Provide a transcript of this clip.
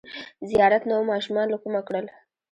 ـ زیارت نوماشومان له کومه کړل!